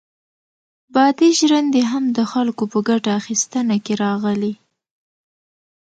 بادي ژرندې هم د خلکو په ګټه اخیستنه کې راغلې.